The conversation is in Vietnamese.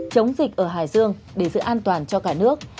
chống dịch ở hải dương để giữ an toàn cho cả nước